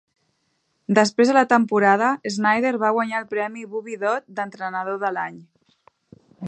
Després de la temporada, Snyder va guanyar el premi Bobby Dodd d'Entrenador de l'Any.